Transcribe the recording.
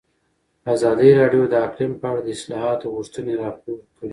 ازادي راډیو د اقلیم په اړه د اصلاحاتو غوښتنې راپور کړې.